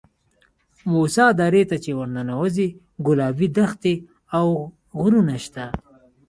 موسی درې ته چې ورننوځې ګلابي دښتې او غرونه شته.